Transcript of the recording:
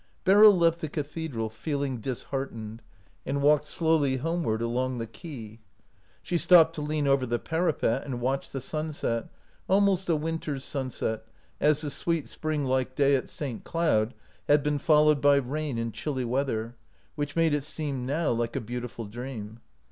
Beryl left the cathedral feeling disheart ened, and walked slowly homeward along the quay. She stopped to lean over the parapet and watch the sunset — almost a winter's sunset, as the sweet springlike day at St. Cloud had been followed by rain and chilly weather, which made it seem now like a beautiful dream.